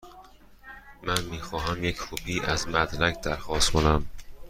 من می خواهم یک کپی از مدرک درخواست کنم.